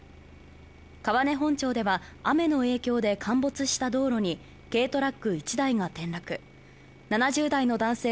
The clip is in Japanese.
川根本町では雨の影響で陥没した道路に軽トラック１台が転落７０代の男性